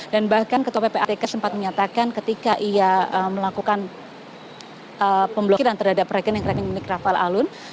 dan bahkan ketua pprtk sempat menyatakan ketika ia melakukan pembelokiran terhadap rekening rekening rafael alun